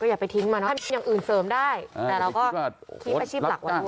อย่าไปทิ้งมาเนอะอย่างอื่นเสริมได้แต่เราก็คิดอาชีพหลักไว้ด้วย